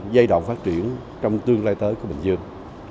giai đoạn phát triển trong tương lai tới của bình dương